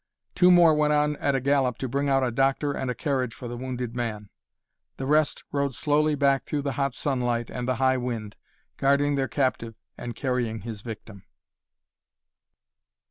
Two more went on at a gallop to bring out a doctor and a carriage for the wounded man. The rest rode slowly back through the hot sunlight and the high wind, guarding their captive and carrying his victim.